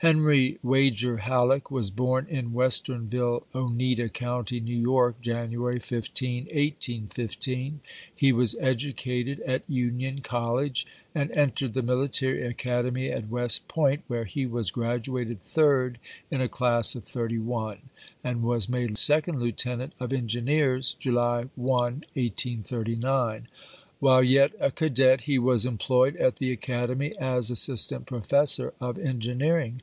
Henry Wager Halleck was born in Westernville, Oneida County, New York, January 15, 1815. He was educated at Union College, and entered the military academy at West Point, where he was graduated third in a class of thirty one, and was made second lieutenant of engineers July 1, 1839. While yet a cadet he was employed at the academy as assistant professor of engineering.